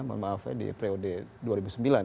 mohon maaf ya di pre od dua ribu sembilan ya